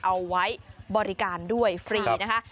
เอาไว้บริการด้วยฟรีนะคะ